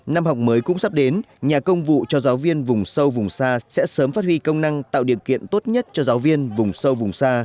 năm học mới cũng sắp đến nhà công vụ cho giáo viên vùng sâu vùng xa sẽ sớm phát huy công năng tạo điều kiện tốt nhất cho giáo viên vùng sâu vùng xa